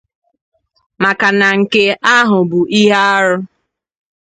Maka na nke ahụ bụ ihe arụ